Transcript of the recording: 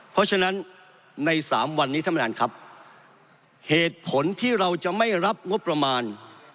เพราะฉะนั้นในสามวันนี้ท่านประธานครับเหตุผลที่เราจะไม่รับงบประมาณ